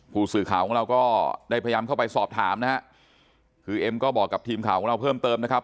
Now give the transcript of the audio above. ผู้สื่อข่าวของเราก็ได้พยายามเข้าไปสอบถามนะฮะคือเอ็มก็บอกกับทีมข่าวของเราเพิ่มเติมนะครับ